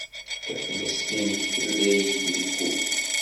Taflest-nnek tella-iyi deg wul.